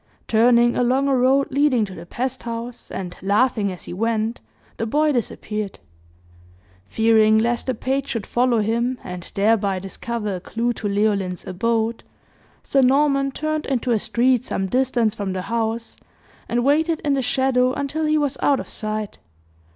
Turning along a road leading to the pest house, and laughing as he went, the boy disappeared. Fearing lest the page should follow him, and thereby discover a clue to Leoline's abode, Sir Norman turned into a street some distance from the house, and waited in the shadow until he was out of sight.